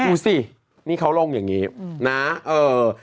ดูสินี่เขาลงอย่างนี้